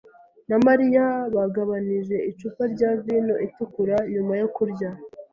na Mariya bagabanije icupa rya vino itukura nyuma yo kurya.